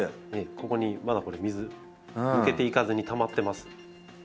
ここにまだこの水抜けていかずにたまってます。